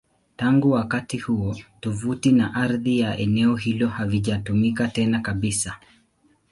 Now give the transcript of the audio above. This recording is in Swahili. Tangu wakati huo, tovuti na ardhi ya eneo hilo havijatumika tena kabisa.